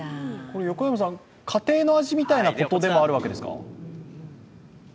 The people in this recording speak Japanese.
家庭の味みたいなことでもあるわけですか？